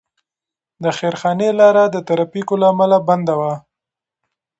د خیرخانې لاره د ترافیکو له امله بنده وه.